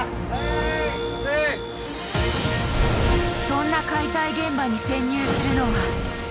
そんな解体現場に潜入するのは。